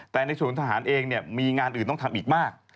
แต่ในฉุนทหารเองเนี่ยมีงานอื่นต้องทำอีกมาก